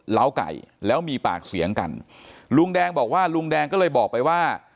ไก่แล้วมีปากเสียงกันลุงแดงบอกว่าลุงแดงก็เลยบอกไปว่า